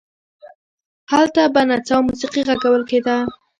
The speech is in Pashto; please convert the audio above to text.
هلته به نڅا او موسیقي غږول کېده.